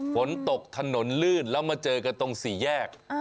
ฝนตกถนนลื่นแล้วมาเจอกันตรงสี่แยก